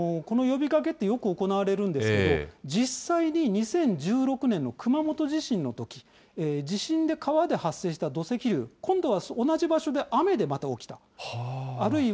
この呼びかけってよく行われるんですけれども、実際に２０１６年の熊本地震のとき、地震で発生した土石流、今度は同じ場所で雨でまた起きた。